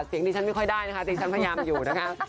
เสียงดิฉันไม่ค่อยได้นะคะที่ฉันพยายามอยู่นะคะ